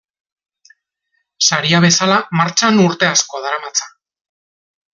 Saria bezala martxan urte asko daramatza.